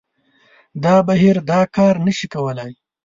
دا بهیر دا کار نه شي کولای